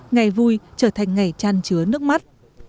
ngày vui trở thành ngày chan chứa nước mắt